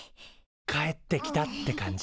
帰ってきたって感じ。